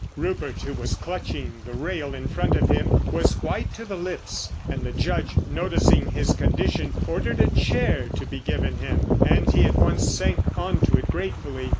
Rupert, who was clutching the rail in front of him, was white to the lips; and the Judge, noticing his condition, ordered a chair to be given him, and he at once sank on to it gratefully.